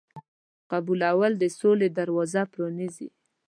قبلول د سولې دروازه پرانیزي.